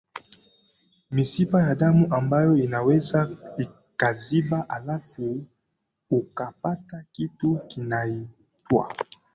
mishipa ya damu ambayo inaweza ikaziba halafu ukapata kitu kinaitwa